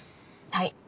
はい。